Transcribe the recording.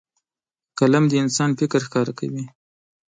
قلم د انسان فکر ښکاره کوي